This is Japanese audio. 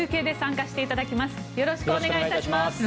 よろしくお願いします。